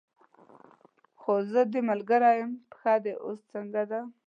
خو زه دې ملګرې یم، پښه دې اوس څنګه ده؟